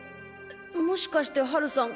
もしかしてハルさん